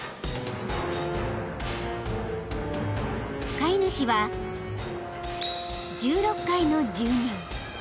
［飼い主は１６階の住人］